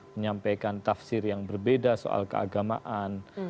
menyampaikan tafsir yang berbeda soal keagamaan